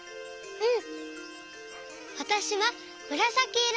うん。